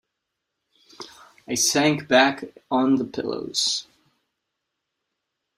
I sank back on the pillows.